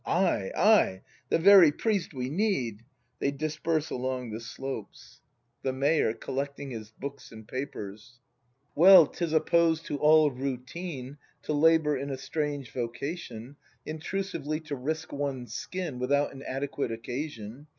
Ay, ay, the very priest we need! [They disperse along the slopes. 72 BRAND [act ii The Mayor. [Collecting his hooks and papers.] Well, 'tis opposed to all routine To labour in a strange vocation, Intrusively to risk one's skin Without an adequate occasion.